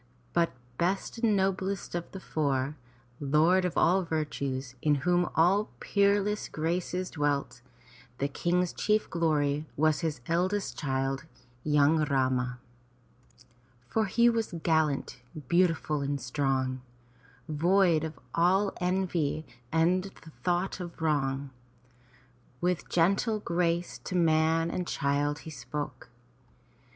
But best and noblest of the four, lord of all virtues, in whom all peerless graces dwelt, the King's chief glory was his eldest child, young Rama. 383 M Y BOOK HOUSE For he was gallant^ beautiful and strong, ^ Void of all envy and the thought of wrong. With gentle grace to man and child he spoke.